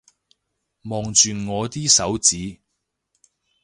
望住我啲手指